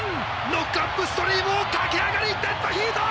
ノックアップストリームを駆け上がりデッドヒート！